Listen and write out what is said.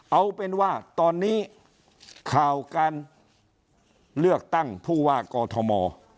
เอาเป็นว่าตอนนี้ข่าวการเลือกตั้งผู้ว่ากอทม